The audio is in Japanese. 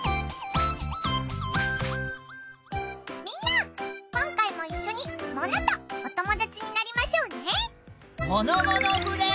みんな今回も一緒にモノとおともだちになりましょうね。